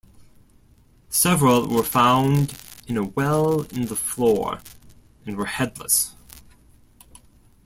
Several were found in a well in the floor and were headless.